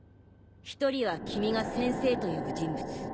１人は君が「先生」と呼ぶ人物。